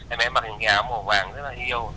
em bé mặc những cái áo màu vàng rất là yêu